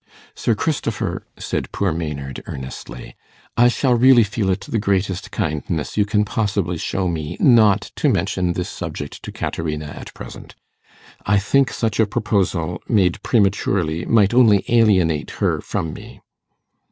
'Sir Christopher,' said poor Maynard earnestly, 'I shall really feel it the greatest kindness you can possibly show me not to mention this subject to Caterina at present. I think such a proposal, made prematurely, might only alienate her from me.